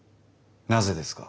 なぜですか？